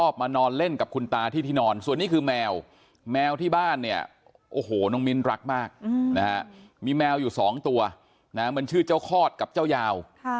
เป็นแมวไทยตัวผู้นะฮะ